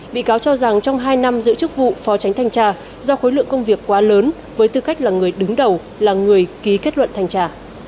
bị cáo cho rằng trong hai năm giữ chức vụ phó tránh thanh tra do khối lượng công việc quá lớn với tư cách là người đứng đầu là người ký kết luận thanh tra